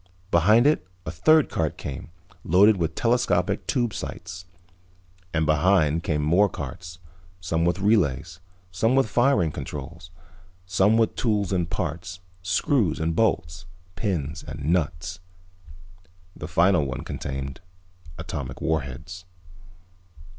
Behind it a third cart came, loaded with telescopic tube sights. And behind came more carts, some with relays, some with firing controls, some with tools and parts, screws and bolts, pins and nuts. The final one contained atomic warheads.